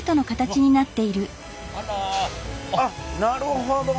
あっなるほど。